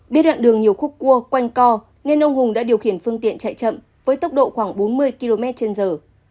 biết đoạn đường nhiều khúc cua quanh co nên ông hùng đã điều khiển phương tiện chạy chậm với tốc độ khoảng bốn mươi km trên giờ